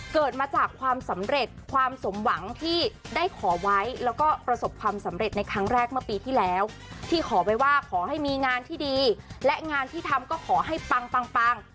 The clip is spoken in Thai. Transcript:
เกิดมาจากความสำเร็จความสมหวังที่ได้ขอไว้แล้วก็ประสบความสำเร็จในครั้งแรกเมื่อปีที่แล้วที่ขอไว้ว่าขอให้มีงานที่ดีและงานที่ทำก็ขอให้ปังปัง